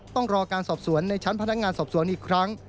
ต้องรอการสอบสวนในชั้นพนักงานสอบสวนอีกครั้ง